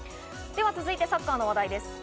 では続いて、サッカーの話題です。